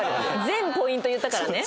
全ポイント言ったからね。